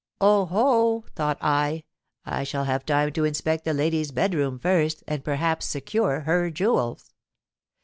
'Oh! ho,' thought I, 'I shall have time to inspect the lady's bed room first, and perhaps secure her jewels.'